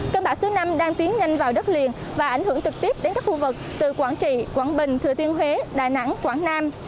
cơn bão số năm đang tiến nhanh vào đất liền và ảnh hưởng trực tiếp đến các khu vực từ quảng trị quảng bình thừa thiên huế đà nẵng quảng nam